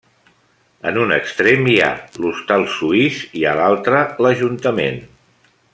En un extrem hi ha l'Hostal Suís i a l'altre l'Ajuntament.